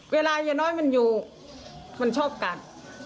เวลายาน้อยมันอยู่มันชอบกัด